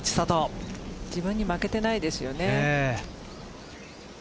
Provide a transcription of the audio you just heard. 自分に負けてないですよね。